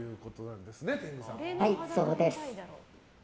はい、そうです。